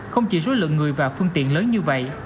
không chỉ số lượng người và phương tiện lớn như vậy